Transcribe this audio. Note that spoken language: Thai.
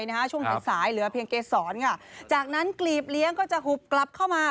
ช่วงสายสายเหลือเพียงเกษรค่ะจากนั้นกลีบเลี้ยงก็จะหุบกลับเข้ามา